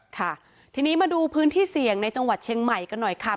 ค่ะทีนี้มาดูพื้นที่เสี่ยงในจังหวัดเชียงใหม่กันหน่อยค่ะ